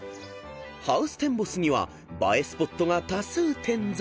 ［ハウステンボスには映えスポットが多数点在］